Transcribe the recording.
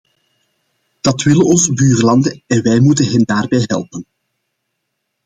Dat willen onze buurlanden en wij moeten hen daarbij helpen.